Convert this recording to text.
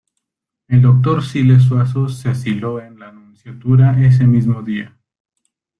El doctor Siles Suazo se asiló en la Nunciatura, ese mismo día.